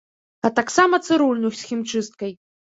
А таксама цырульню з хімчысткай.